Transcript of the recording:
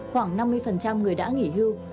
khoảng năm mươi người đã nghỉ hưu